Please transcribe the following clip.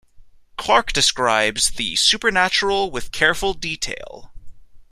Clarke describes the supernatural with careful detail.